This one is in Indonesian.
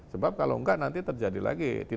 sebab kalau enggak nanti terjadi lagi